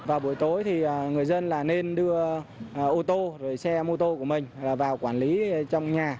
vào buổi tối thì người dân là nên đưa ô tô xe mô tô của mình vào quản lý trong nhà